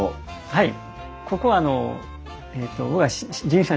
はい。